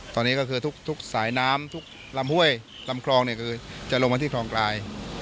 ตอนนี้ก็คือทุกสายน้ำทุกลำห้วยลำคลองเนี่ยคือจะลงมาที่คลองกลาย